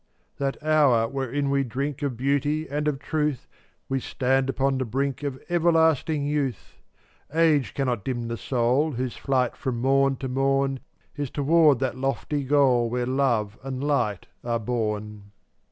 444 That hour wherein we drink Of beauty and of truth We stand upon the brink Of everlasting youth. Age cannot dim the soul Whose flight from morn to morn Is toward that lofty goal Where love and light are born.